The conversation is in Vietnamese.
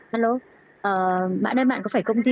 hello bạn đây bạn có phải công ty